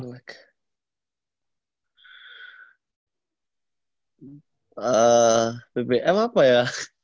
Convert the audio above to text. hmm bbm apa ya